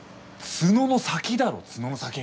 角の先だろ角の先。